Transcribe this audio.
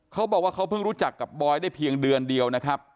เขาบอกว่าเขาเพิ่งรู้จักกับบอยได้เพียงเดือนเดียวนะครับ